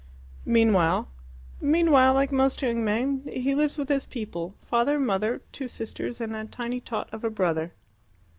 "Meanwhile?" "Meanwhile, like most young men, he lives with his people father, mother, two sisters, and a tiny tot of a brother."